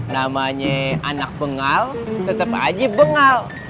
namanya anak bengal tetep aja bengal